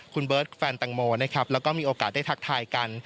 คุณเบิร์ตแฟนตังโมนะครับแล้วก็มีโอกาสได้ทักทายกัน